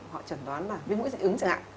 họ chẩn đoán là viêm mũi dễ ứng chẳng hạn